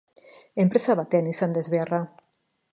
Enpresa batean izan da ezbeharra.